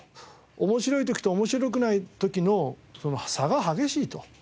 面白い時と面白くない時の差が激しいと。